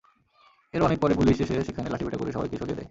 এরও অনেক পরে পুলিশ এসে সেখানে লাঠিপেটা করে সবাইকে সরিয়ে দেয়।